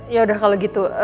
yaudah kalau gitu